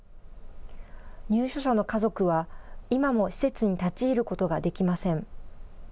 入所者の家族は、今も施設に立ち入ることができません。